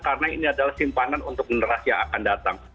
karena ini adalah simpanan untuk generasi yang akan datang